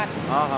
itu kita lihat